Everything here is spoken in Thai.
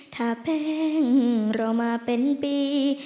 ถ้าเพลงเรามาเป็นปี